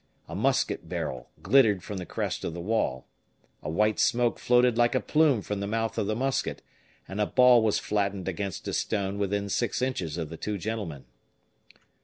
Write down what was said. A musket barrel glittered from the crest of the wall. A white smoke floated like a plume from the mouth of the musket, and a ball was flattened against a stone within six inches of the two gentlemen.